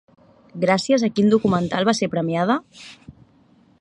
Gràcies a quin documental va ser premiada?